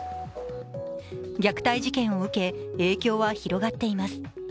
虐待事件を受け、影響は広がっています。